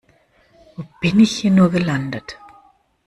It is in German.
Wo bin ich hier nur gelandet?